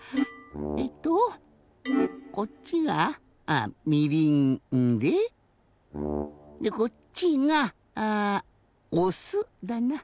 えっとこっちがみりんででこっちがあおすだな？